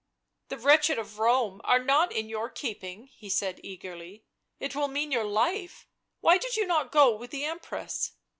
" The wretched of Rome are not in your keeping," he said eagerly. " It will mean your life — why did you not go with the Empress